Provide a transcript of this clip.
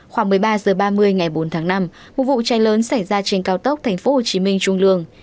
khoảng một mươi ba h ba mươi ngày bốn tháng năm một vụ cháy lớn xảy ra trên cao tốc tp hcm trung lương